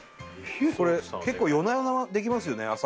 これ結構夜な夜なできますよね